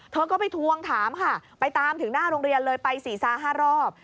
เธอก็ไปทวงถามค่ะไปตามถึงหน้าโรงเรียนเลยไป๔๕รอบ